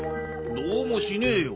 どうもしねえよ。